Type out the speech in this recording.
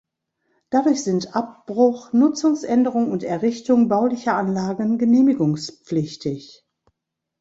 Dadurch sind Abbruch, Nutzungsänderung und Errichtung baulicher Anlagen genehmigungspflichtig.